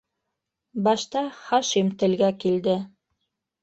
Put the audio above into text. Башта Хашим телгә килде: